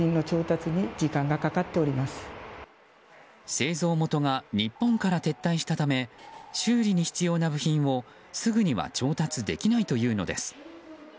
製造元が日本から撤退したため修理に必要な部品をすぐには調達できないというのです。